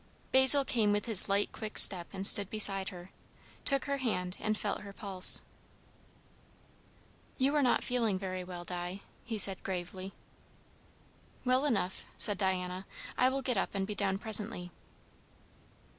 Basil came with his light quick step and stood beside her; took her hand and felt her pulse. "You are not feeling very well, Di," he said gravely. "Well enough," said Diana. "I will get up and be down presently."